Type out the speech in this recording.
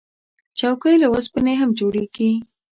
چوکۍ له اوسپنې هم جوړیږي.